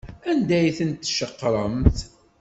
Anda ay tent-tceqremt?